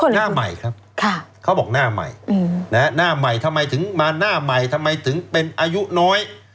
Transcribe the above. หน้าใหม่ครับเขาบอกหน้าใหม่หน้าใหม่ทำไมถึงมาหน้าใหม่ทำไมถึงเป็นอายุน้อย